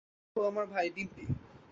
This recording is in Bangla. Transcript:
এ আমার ভাই, ডিম্পি।